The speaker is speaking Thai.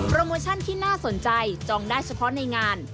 โมชั่นที่น่าสนใจจองได้เฉพาะในงาน